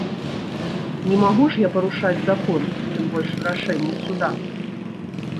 Не магу ж я парушаць закон, тым больш, рашэнне суда.